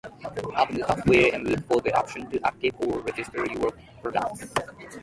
Open the software and look for the option to activate or register your product.